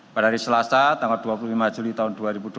pada hari selasa tanggal dua puluh lima juli tahun dua ribu dua puluh